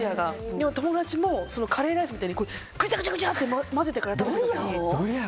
友達もカレーライスみたいにぐちゃぐちゃって混ぜてから食べて。